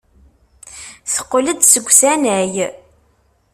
Teqqel-d seg usanay.